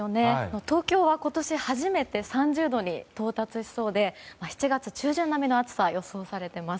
東京は今年初めて３０度に到達しそうで７月中旬並みの暑さが予想されています。